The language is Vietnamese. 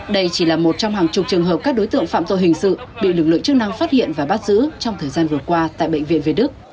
đây chỉ là một trong hàng chục trường hợp các đối tượng phạm tội hình sự bị lực lượng chức năng phát hiện và bắt giữ trong thời gian vừa qua tại bệnh viện việt đức